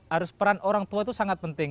harus peran orang tua itu sangat penting